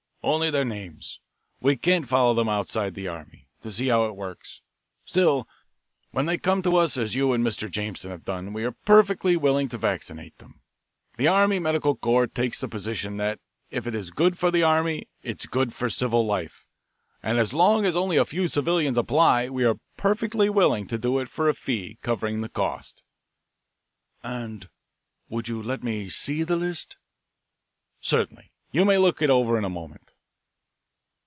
"Only their names we can't follow them up outside the army, to see how it works. Still, when they come to us as you and Mr. Jameson have done we are perfectly willing to vaccinate them. The Army Medical Corps takes the position that if it is good for the army it is good for civil life, and as long as only a few civilians apply we are perfectly willing to do it for a fee covering the cost." "And would you let me see the list?" "Certainly. You may look it over in a moment."